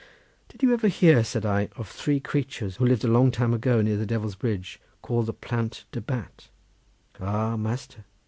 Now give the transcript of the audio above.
"Did you ever hear," said I, "of three creatures who lived a long time ago near the Devil's Bridge called the Plant de Bat?" "Ah, master!"